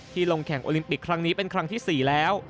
ลงแข่งโอลิมปิกครั้งนี้เป็นครั้งที่๔แล้ว